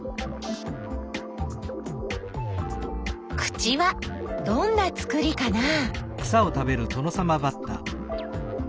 口はどんなつくりかな？